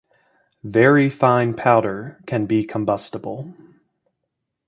Very fine powder can be combustible.